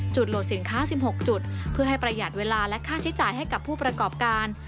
โหลดสินค้า๑๖จุดเพื่อให้ประหยัดเวลาและค่าใช้จ่ายให้กับผู้ประกอบการ